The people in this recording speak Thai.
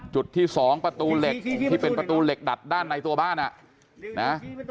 จุดที่๒ประตูเหล็กที่เป็นประตูเหล็กดัดด้านในตัวบ้านอ่ะนะ